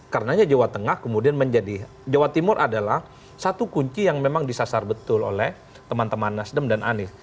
karenanya jawa tengah kemudian menjadi jawa timur adalah satu kunci yang memang disasar betul oleh teman teman nasdem dan anies